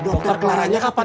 dokter kelaranya kapan datang